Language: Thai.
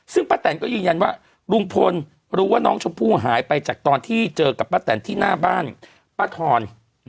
ซึ่งป้าแตนก็ยืนยันว่าลุงพลรู้ว่าน้องชมพู่หายไปจากตอนที่เจอกับป้าแตนที่หน้าบ้านป้าทอน